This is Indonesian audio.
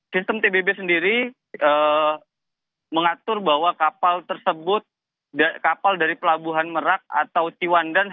sistem tbb sendiri mengatur bahwa kapal tersebut kapal dari pelabuhan merak atau ciwandan